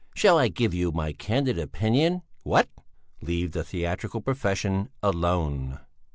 "Shall I give you my candid opinion, what? Leave the theatrical profession alone!"